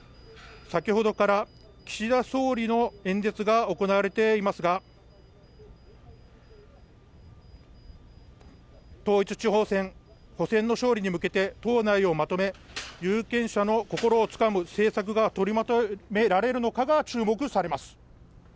先ほどから岸田総理の演説が行われていますが、統一地方選挙・補選の勝利に向け、党内をまとめ、有権者の心をつかむ政策が取りまとめられるのかが注目されます。